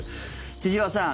千々岩さん